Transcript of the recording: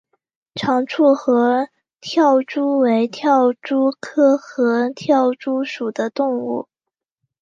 长触合跳蛛为跳蛛科合跳蛛属的动物。